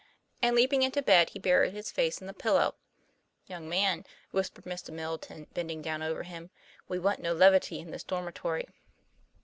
And leaping into bed he buried his face in the pillow. 'Young man," whispered Mr. Middleton, bending down over him, ' we want no levity in this dormi tory."